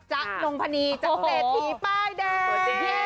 จ๊ะนงพะนีจ๊ะเตะผีป้ายเด้ง